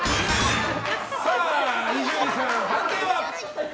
さあ、伊集院さん判定は？